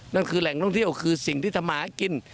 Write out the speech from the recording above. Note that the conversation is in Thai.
นั่นคือแหล่งท่องเที่ยวคือสิ่งที่ทำมาหากิน